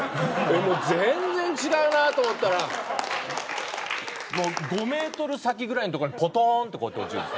もう全然違うなと思ったらもう５ｍ先ぐらいの所にポトンってこうやって落ちるんです。